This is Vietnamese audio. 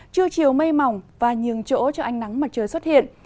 trưa chiều mây mỏng và nhường chỗ cho ánh nắng mặt trời xuất hiện